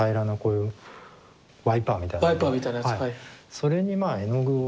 それにまあ絵の具をつけて。